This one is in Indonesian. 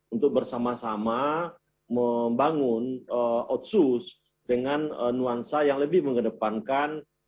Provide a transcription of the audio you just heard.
untuk bersama sama membangun otsus dengan nuansa yang lebih mengedepankan